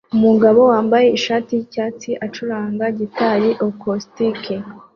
Umugabo wambaye ishati yicyatsi acuranga gitari acoustic